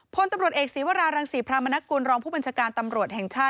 พลตำรวจเอกศีวรารังศรีพรามนกุลรองผู้บัญชาการตำรวจแห่งชาติ